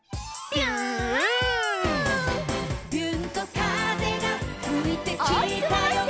「びゅーんと風がふいてきたよ」